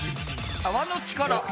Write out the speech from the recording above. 泡の力。